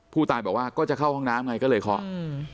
ผู้ตายบอกว่าก็จะเข้าห้องน้ำไงก็เลยเคาะอืม